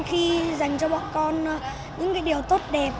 nhà trường các cô giáo dành cho bọn con những điều tốt đẹp